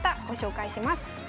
ご紹介します。